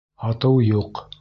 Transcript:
Һатыу юҡ!